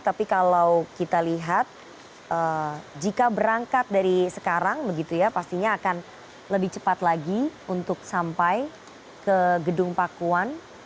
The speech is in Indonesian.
tapi kalau kita lihat jika berangkat dari sekarang begitu ya pastinya akan lebih cepat lagi untuk sampai ke gedung pakuan